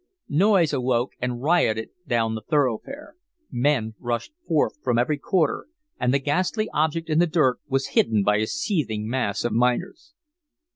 Noise awoke and rioted down the thoroughfare. Men rushed forth from every quarter, and the ghastly object in the dirt was hidden by a seething mass of miners.